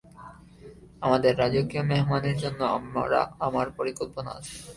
আমাদের রাজকীয় মেহমানের জন্য আমার পরিকল্পনা আছে।